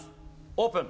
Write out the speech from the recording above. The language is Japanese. オープン。